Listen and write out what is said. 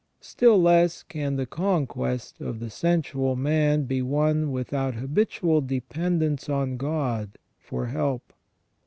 Still less can the conquest of the sensual man be won without habitual dependence on God for help.